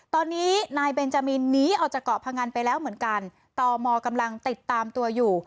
ตอนนี้นายเบนจามินหนีออกจากเกาะพงันไปแล้วเหมือนกันตมกำลังติดตามตัวอยู่